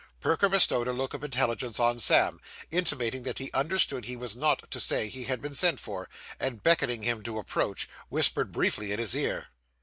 Perker bestowed a look of intelligence on Sam, intimating that he understood he was not to say he had been sent for; and beckoning him to approach, whispered briefly in his ear.